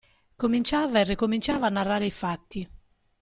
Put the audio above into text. Cominciava e ricominciava a narrare i fatti.